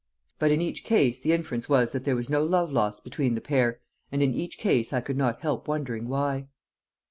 But in each case the inference was that there was no love lost between the pair; and in each case I could not help wondering why.